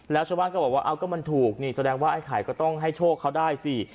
แล้วชาวบ้านก็บอกว่าเอาก็มันถูกนี่แสดงว่าไอ้ไข่ก็ต้องให้โชคเขาได้สิ